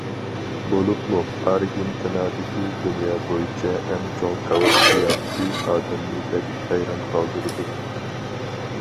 بولۇپمۇ، ئارگېنتىنادىكى دۇنيا بويىچە ئەڭ چوڭ كاۋاپ زىياپىتى ئادەمنى بەك ھەيران قالدۇرىدۇ.